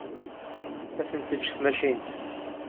Ad ten-teǧǧ tmacint.